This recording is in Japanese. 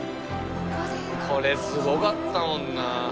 これすごかったもんな。